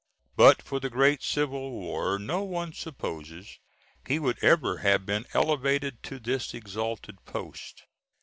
But for the great civil war no one supposes he would ever have been elevated to this exalted post.